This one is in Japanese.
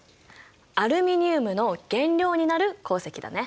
アルミニウムの原料になる鉱石だね。